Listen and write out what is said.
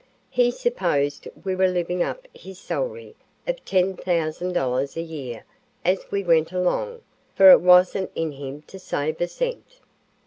He supposed we were living up his salary of $10,000 a year as we went along, for it wasn't in him to save a cent.